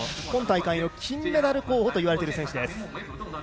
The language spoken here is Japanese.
今大会の金メダル候補といわれている選手です。